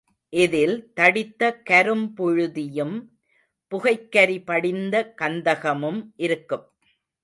இதில் தடித்த கரும் புழுதியும் புகைக்கரி படிந்த கந்தகமும் இருக்கும்.